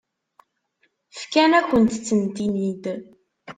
Fkan-akent-tent-id.